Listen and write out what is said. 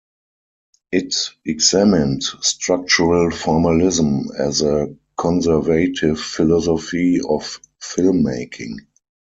It examined structural-formalism as a conservative philosophy of filmmaking.